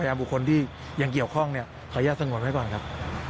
เราก็มันถือไว้ทั้งหมดล่ะครับ